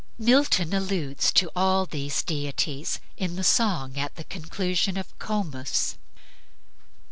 Milton alludes to all these deities in the song at the conclusion of "Comus"